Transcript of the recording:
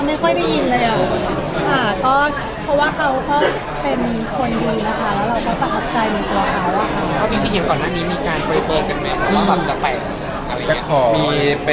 อะไรที่อะไรที่ทำให้เราเซียทค์ครับวันหน้าที่นี่